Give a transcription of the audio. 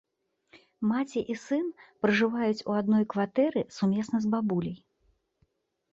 Маці і сын пражываюць у адной кватэры сумесна з бабуляй.